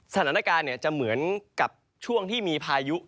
สถานการณ์จะเหมือนกับช่วงที่มีพายุ